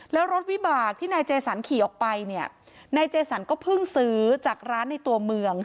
แล้วรถวิบากที่นายเจสันขี่ออกไปเนี่ยนายเจสันก็เพิ่งซื้อจากร้านในตัวเมือง